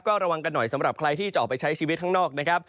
ก็ระวังกันหน่อยสำหรับใครที่จะออกไปใช้ชีวิตข้างนอกนะครับ